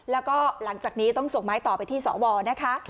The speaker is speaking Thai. แล้วก็หลังจากนี้ต้องส่งไม้ต่อไปที่สวนะคะ